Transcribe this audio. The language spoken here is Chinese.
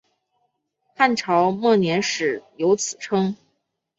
汉朝末年始有此称。